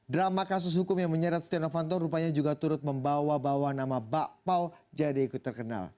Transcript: drama kasus hukum yang menyeret stiano fanto rupanya juga turut membawa bawa nama bakpao jadi ikut terkenal